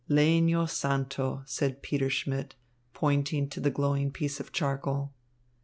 "Legno santo," said Peter Schmidt, pointing to the glowing piece of charcoal.